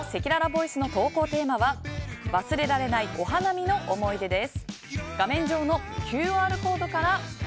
さて、今週のせきららボイスの投稿テーマは忘れられないお花見の思い出です。